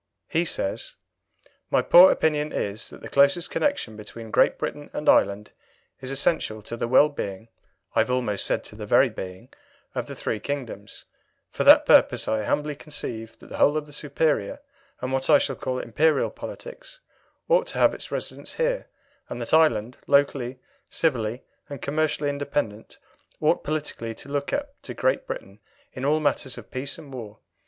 He says "My poor opinion is, that the closest connection between Great Britain and Ireland is essential to the well being I had almost said to the very being of the three kingdoms; for that purpose I humbly conceive that the whole of the superior, and what I should call Imperial politics, ought to have its residence here, and that Ireland, locally, civilly, and commercially independent, ought politically to look up to Great Britain in all matters of peace and war.